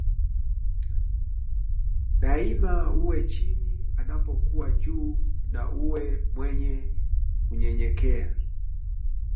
Daima uwe chini anapokuwa juu na uwe mwenye kunyenyekea